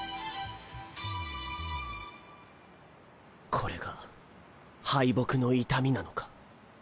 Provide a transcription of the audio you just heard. これが敗北の痛みなのか？